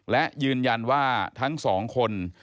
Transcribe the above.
การว่าทั้งสองคน